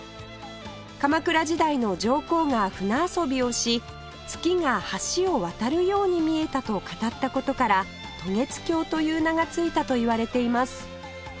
鎌倉時代の上皇が船遊びをし月が橋を渡るように見えたと語った事から渡月橋という名が付いたといわれています